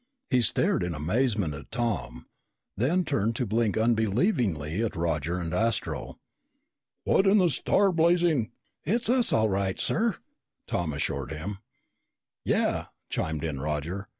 He stared in amazement at Tom, then turned to blink unbelievingly at Roger and Astro. "What in the star blazing ?" "It's us all right, sir!" Tom assured him. "Yeah," chimed in Roger.